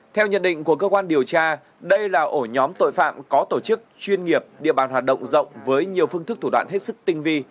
theo nhận định của cơ quan điều tra đây là ổ nhóm tội phạm có tổ chức chuyên nghiệp địa bàn hoạt động rộng với nhiều phương thức thủ đoạn hết sức tinh vi